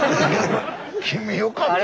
君よかった。